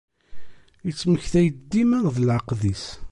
Ittmektay-d dima d leɛqed-is.